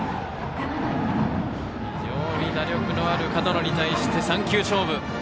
非常に打力のある門野に対して３球勝負。